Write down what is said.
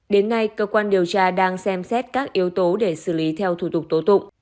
đến nay cơ quan điều tra đang xem xét các yếu tố để xử lý theo thủ tục tố tụng